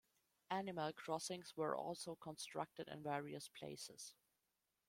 Animal crossings were also constructed in various places.